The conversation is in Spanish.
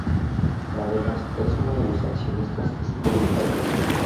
Además es uno de los accionistas de Spotify.